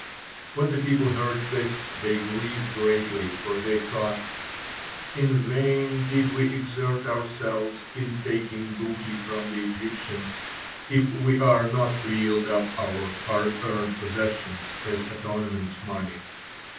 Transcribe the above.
When the people heard this, they grieved greatly, for they thought: "In vain did we exert ourselves in taking booty from the Egyptians, if we are not to yield up our hard earned possessions as atonement money.